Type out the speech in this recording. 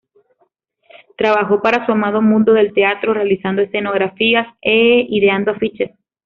Trabajó para su amado mundo del teatro, realizando escenografías e ideando afiches.